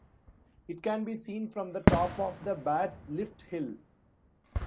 It can be seen from the top of The Bat's lift hill.